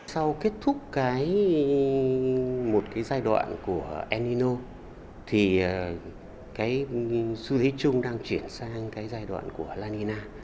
sau kết thúc một giai đoạn của el nino thì xu thế chung đang chuyển sang giai đoạn của la nina